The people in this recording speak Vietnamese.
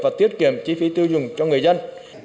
và tiết kiệm chi phí tiêu dùng cho người dân